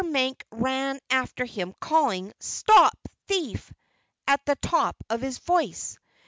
Mink ran after him, calling "Stop, thief!" at the top of his voice.